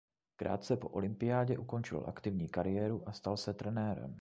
Krátce po olympiádě ukončil aktivní kariéru a stal se trenérem.